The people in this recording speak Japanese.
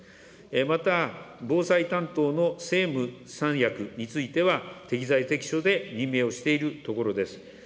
また、防災担当の政務三役については、適材適所で任命をしているところです。